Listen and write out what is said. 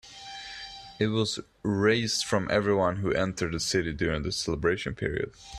It was raised from everyone who entered the city during the celebration period.